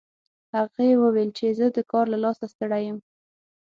هغې وویل چې زه د کار له لاسه ستړي یم